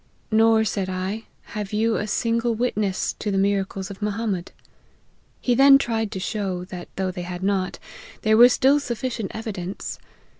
' Nor,' said I, ' have you a single witness to the miracles of Mohammed.' He then tried to show, that though they had not, there was still sufficient evidence.